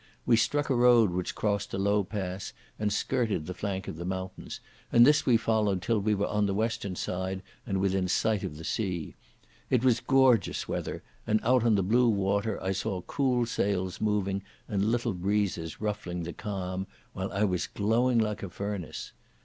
We struck a road which crossed a low pass and skirted the flank of the mountains, and this we followed till we were on the western side and within sight of the sea. It was gorgeous weather, and out on the blue water I saw cool sails moving and little breezes ruffling the calm, while I was glowing like a furnace.